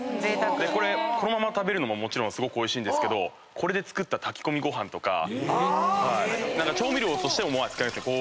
でこのまま食べるのももちろんすごくおいしいんですけどこれで作った炊き込みご飯とか調味料としても使えるんですよ。